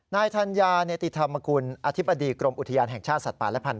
ธัญญาเนติธรรมกุลอธิบดีกรมอุทยานแห่งชาติสัตว์ป่าและพันธ